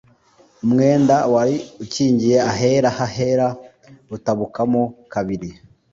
Umwenda wari ukingiye ahera h’ahera utabukamo kabiri